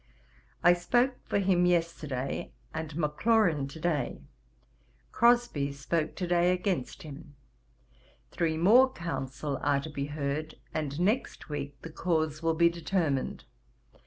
I spoke for him yesterday, and Maclaurin to day; Crosbie spoke to day against him. Three more counsel are to be heard, and next week the cause will be determined.